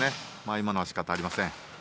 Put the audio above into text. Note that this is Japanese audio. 今のはしょうがありません。